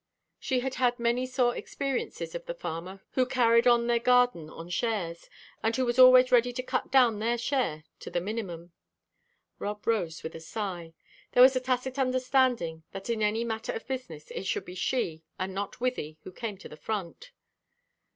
She had had many sore experiences of the farmer who carried on their garden on shares, and who was always ready to cut down their share to the minimum. Rob arose with a sigh. There was a tacit understanding that in any matter of business it should be she, and not Wythie, who came to the front.